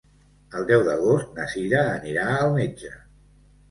El deu d'agost na Sira anirà al metge.